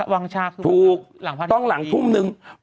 วางฉากถูกถูกหลังพระฟาธิบุธีต้องหลังธุมหนึ่ง